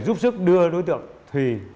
giúp sức đưa đối tượng thùy